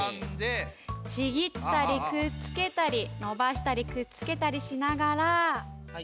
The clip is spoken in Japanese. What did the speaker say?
ちぎったりくっつけたりのばしたりくっつけたりしながら。